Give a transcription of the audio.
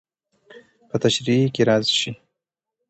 په تشريحي کې راشي.